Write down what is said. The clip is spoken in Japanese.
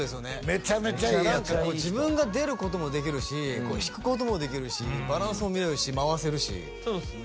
めちゃめちゃええヤツや自分が出ることもできるし引くこともできるしバランスも見れるし回せるしそうっすね